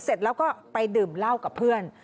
เสร็จแล้วก็ไปดื่มเหล้ากับเพื่อน